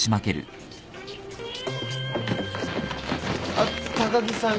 あっ高木さん